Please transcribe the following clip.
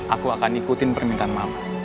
aku akan ikutin permintaan maaf